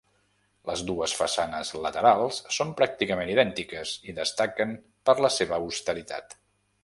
Les dues façanes laterals són pràcticament idèntiques i destaquen per la seva austeritat.